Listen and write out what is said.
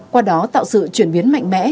qua đó tạo sự chuyển biến mạnh mẽ